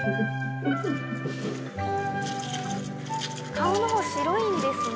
顔のほう白いんですね。